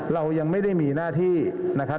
เรายังไม่ได้มีหน้าที่นะครับ